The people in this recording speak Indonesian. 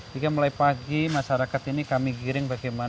jadi mulai pagi masyarakat ini kami giring bagaimana